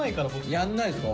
やんないんですか？